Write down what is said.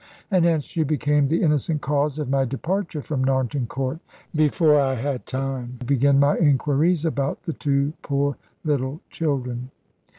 And hence she became the innocent cause of my departure from Narnton Court, before I had time to begin my inquiries about the two poor little children.